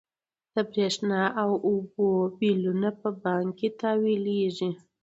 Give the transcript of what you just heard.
د برښنا او اوبو بلونه په بانک کې تحویل کیږي.